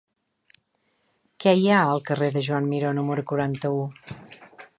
Què hi ha al carrer de Joan Miró número quaranta-u?